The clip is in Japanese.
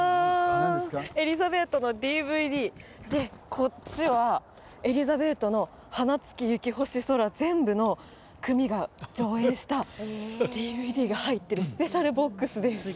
「エリザベート」のＤＶＤでこっちは「エリザベート」の全部の組が上演したＤＶＤが入ってるスペシャルボックスです